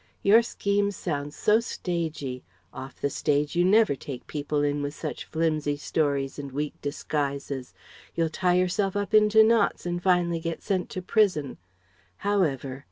Your schemes sound so stagey. Off the stage you never take people in with such flimsy stories and weak disguises you'll tie yourself up into knots and finally get sent to prison.... However....